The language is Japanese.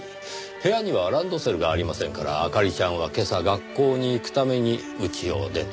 部屋にはランドセルがありませんから明里ちゃんは今朝学校に行くために家を出た。